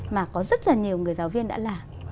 mà có rất là nhiều người giáo viên đã làm